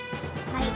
はい。